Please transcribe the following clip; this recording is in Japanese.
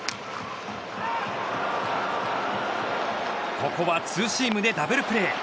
ここはツーシームでダブルプレー。